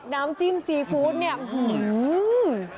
น้ำจิ้มซีฟู้ดเนี่ย